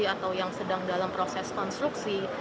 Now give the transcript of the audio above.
atau yang sedang dalam proses konstruksi